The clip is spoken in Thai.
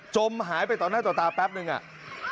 จมหายไปต่อหน้าต่อตาแป๊บนึงอ่ะ